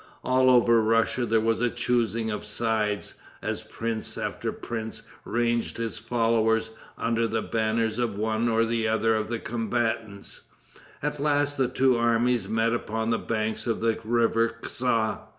All over Russia there was the choosing of sides, as prince after prince ranged his followers under the banners of one or of the other of the combatants. At last the two armies met upon the banks of the river Kza.